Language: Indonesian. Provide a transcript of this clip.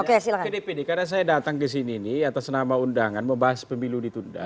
oke ke dpd karena saya datang ke sini nih atas nama undangan membahas pemilu ditunda